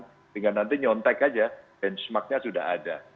sehingga nanti nyontek aja benchmarknya sudah ada